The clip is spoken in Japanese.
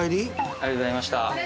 ありがとうございます。